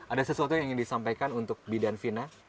ada sesuatu yang ingin disampaikan untuk bidan vina